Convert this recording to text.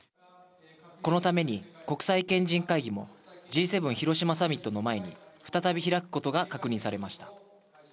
このために国際賢人会議もＧ７広島サミットの前に、再び開くことが確認されました。